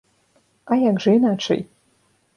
А як жа іначай!?